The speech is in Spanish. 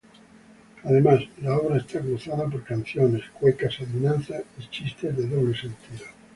Además, la obra está cruzada por canciones, cuecas, adivinanzas y chistes de doble sentido.